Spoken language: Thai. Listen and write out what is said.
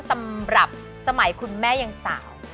สมัยคุณแม่ยังสาว